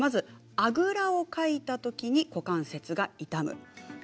あぐらをかいたときに股関節が痛む。